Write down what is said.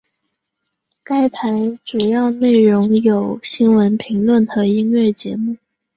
该台主要内容有新闻评论和音乐节目。